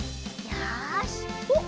よしおっ